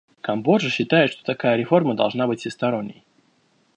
Камбоджа считает, что такая реформа должна быть всесторонней.